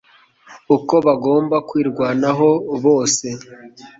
uko bagomba kwirwanaho bose